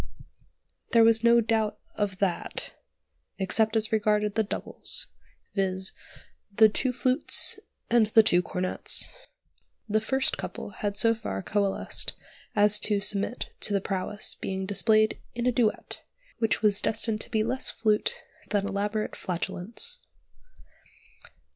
There was no doubt of that, except as regarded the "doubles," viz., the two flutes and the two cornets. The first couple had so far coalesced as to submit to the prowess being displayed in a duet, which was destined to be less flute than elaborate flatulence.